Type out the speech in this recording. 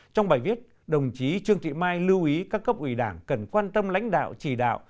trong bài viết đồng chí trương thị mai lưu ý các cấp ủy đảng cần quan tâm lãnh đạo chỉ đạo